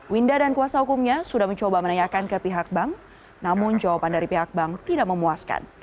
winda dan kuasa hukumnya sudah mencoba menanyakan ke pihak bank namun jawaban dari pihak bank tidak memuaskan